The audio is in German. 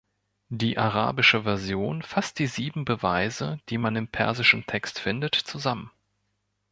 Die arabische Version fasst die Sieben Beweise, die man im persischen Text findet, zusammen.